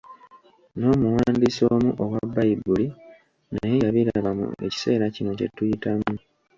N'omuwandiisi omu owa Bbayibuli naye yabiraba mu ekiseera kino kye tuyitamu.